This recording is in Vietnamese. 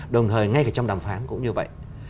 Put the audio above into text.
đồng thời ngay cả trong đàm phán cũng như vậy